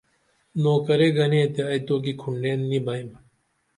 نوکرے گنے تے ائی توکی کھنڈین نی بئیم